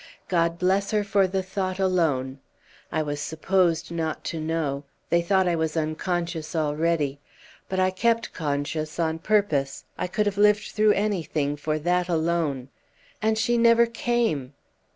God bless her for the thought alone! I was supposed not to know; they thought I was unconscious already. But I kept conscious on purpose, I could have lived through anything for that alone. And she never came!